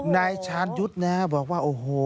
นายชาญยุทธ์นะบอกว่าโอ้โห